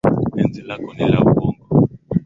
Penzi lako ni la uongo